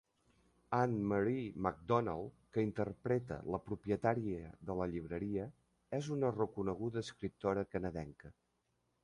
Ann-Marie MacDonald, que interpreta la propietària de la llibreria, és una reconeguda escriptora canadenca.